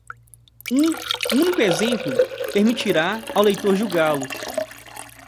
Um único exemplo permitirá ao leitor julgá-lo.